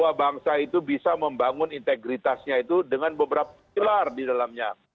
bahwa bangsa itu bisa membangun integritasnya itu dengan beberapa pilar di dalamnya